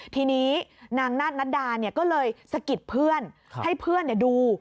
ทีนี้นางนาธนัดดาก็เลยสะกิดเพื่อนให้เพื่อนดู